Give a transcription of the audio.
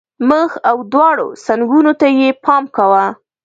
مخ او دواړو څنګونو ته یې پام کاوه.